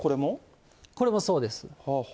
これもそうです。